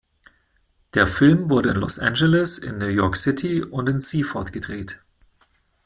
Der Film wurde in Los Angeles, in New York City und in Seaford gedreht.